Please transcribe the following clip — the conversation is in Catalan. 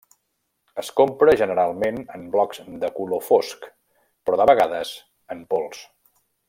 Es compra generalment en blocs de color fosc, però de vegades en pols.